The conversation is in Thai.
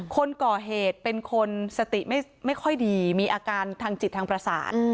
คนก่อเหตุเป็นคนสติไม่ค่อยดีมีอาการทางจิตทางประสาท